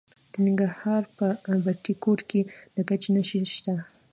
د ننګرهار په بټي کوټ کې د ګچ نښې شته.